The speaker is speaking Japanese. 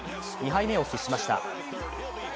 ２敗目を喫しました。